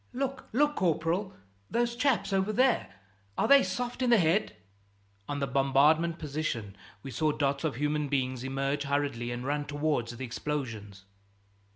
"Look, look, corporal, those chaps over there are they soft in the head?" On the bombarded position we saw dots of human beings emerge hurriedly and run towards the explosions.